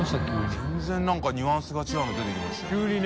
漢何かニュアンスが違うの出てきましたよね。